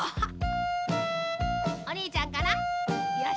おにいちゃんかな？